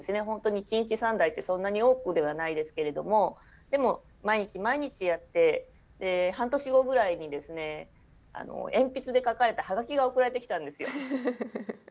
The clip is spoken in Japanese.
本当に一日３題ってそんなに多くではないですけれどもでも毎日毎日やって半年後ぐらいにですね鉛筆で書かれた葉書が送られてきたんですよ。